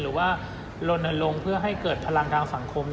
หรือว่าลนลงเพื่อให้เกิดพลังทางสังคม